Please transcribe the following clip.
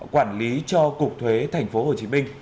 quản lý cho cục thuế tp hcm